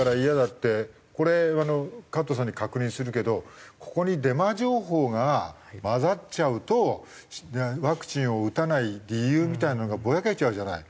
これ加藤さんに確認するけどここにデマ情報が交ざっちゃうとワクチンを打たない理由みたいなのがぼやけちゃうじゃない。